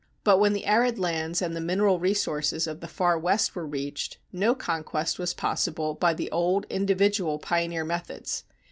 But when the arid lands and the mineral resources of the Far West were reached, no conquest was possible by the old individual pioneer methods.